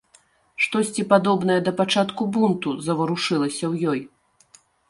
Штосьці падобнае да пачатку бунту заварушылася ў ёй.